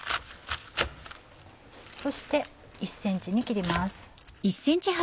そして１ｃｍに切ります。